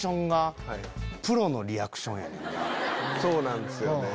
そうなんですよね。